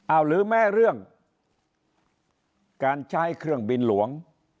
หรือแม้เรื่องการใช้เครื่องบินหลวง